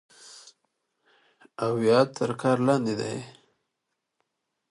او يا تر كار لاندې دی